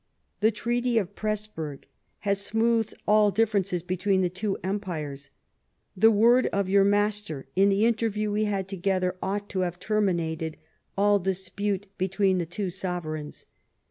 The treaty of Pressburg has smoothed all differences between the two empires ; the word of your master, in the interview we had together, ought to have terminated all dispute between the two sovereigns.